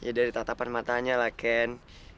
ya dari tatapan matanya lah ken